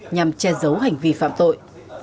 nhằm che giấu hành vi phạm tội